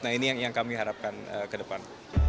nah ini yang kami harapkan ke depan